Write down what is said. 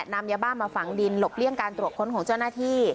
นำยาบ้ามาฝังดินหลบเลี่ยงการตรวจค้นของเจ้าหน้าที่